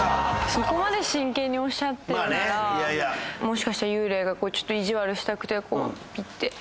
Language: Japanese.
そこまで真剣におっしゃってるならもしかしたら幽霊がちょっと意地悪したくてピッて。